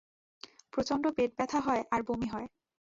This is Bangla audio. প্রচন্ড পেট ব্যথা হয় আর বমি হয়।